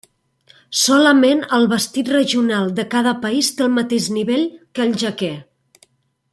Solament el vestit regional de cada país té el mateix nivell que el jaqué.